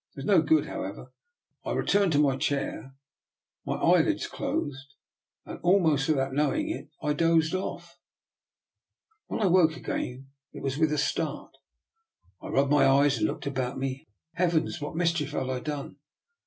It was no good, however; I returned to my chair, my eyelids closed, and almost without knowing it I dozed off. When I woke again it was with a start. I rubbed my eyes and looked about me. Heavens! What mischief had I done?